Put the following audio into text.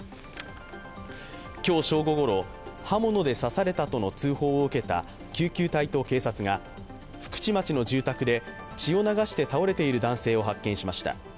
今日正午ごろ刃物で刺されたとの通報を受けた救急隊と警察が福智町の住宅で血を流して倒れている男性を発見しました。